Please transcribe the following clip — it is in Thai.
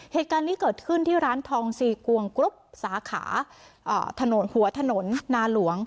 เหตุการณ์นี้เกิดขึ้นที่ร้านทองซีกวงกรุ๊ปสาขาถนนหัวถนนนาหลวง